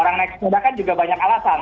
orang naik sepeda kan juga banyak alasan